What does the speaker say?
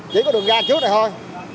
chỉ có đường gai trước này thôi